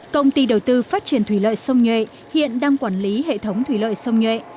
công ty đầu tư phát triển thủy lợi sông nhuệ hiện đang quản lý hệ thống thủy lợi sông nhuệ